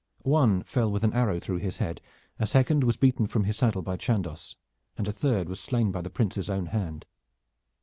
One fell with an arrow through his head, a second was beaten from his saddle by Chandos, and the third was slain by the Prince's own hand.